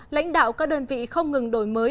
lãnh đạo các đơn vị không ngừng đổi mới